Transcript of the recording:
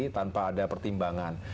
tanpa ada pertimbangan